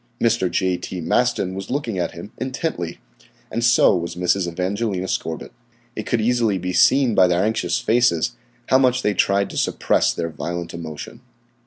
Mr. J. T. Maston was looking at him intently, and so was Mrs. Evangelina Scorbitt. It could easily be seen by their anxious faces how much they tried to supress their violent emotion.